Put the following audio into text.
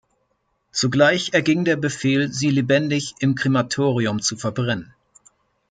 Zugleich erging der Befehl, sie lebendig im Krematorium zu verbrennen.